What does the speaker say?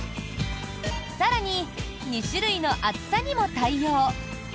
更に、２種類の厚さにも対応。